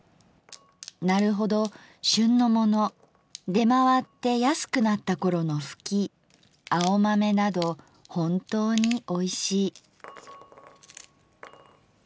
なるほど『しゅん』のもの出回って安くなったころの『ふき』『青豆』などほんとうにおいしい」。